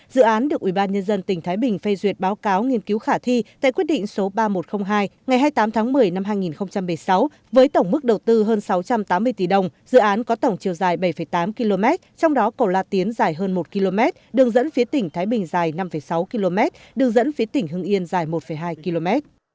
dự án được ubnd tỉnh thái bình phê duyệt báo cáo nghiên cứu khả thi tại quyết định số ba nghìn một trăm linh hai ngày hai mươi tám tháng một mươi năm hai nghìn một mươi sáu với tổng mức đầu tư hơn sáu trăm tám mươi tỷ đồng dự án có tổng chiều dài bảy tám km trong đó cầu la tiến dài hơn một km đường dẫn phía tỉnh thái bình dài năm sáu km đường dẫn phía tỉnh hưng yên dài một hai km